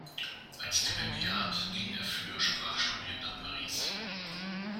Als Stipendiat ging er für Sprachstudien nach Paris.